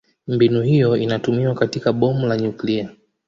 Mbinu hiyo inatumiwa katika bomu la nyuklia.